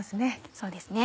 そうですね。